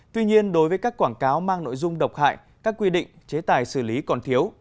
tuy nhiên đối với các quảng cáo mang nội dung độc hại các quy định chế tài xử lý còn thiếu